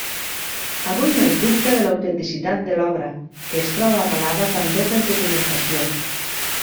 Avui no es dubta de l'autenticitat de l'obra, que es troba avalada també per documentació.